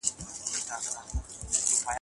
ښوونځی ماشومانو ته د ژوند مهارتونه ور زده کوي.